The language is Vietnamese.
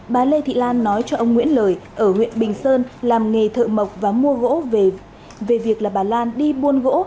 bà lê thị lan nói cho ông nguyễn lời ở huyện bình sơn làm nghề thợ mộc và mua gỗ về việc là bà lan đi buôn gỗ